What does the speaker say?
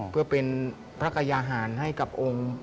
เพื่อเป็นพระกยาหารให้กับองค์